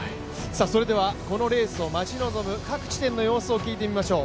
それではこのレースを待ち望む各地点の様子を聞いてみましょう。